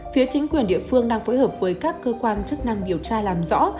phía chính quyền địa phương đang phối hợp với các cơ quan chức năng điều tra làm rõ